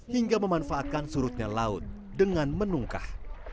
hingga memanfaatkan surutnya laut dengan menungkah